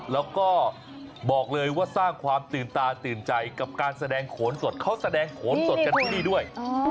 แล้วก็บอกเลยว่าสร้างความตื่นตาตื่นใจกับการแสดงโขนสดเขาแสดงโขนสดกันที่นี่ด้วย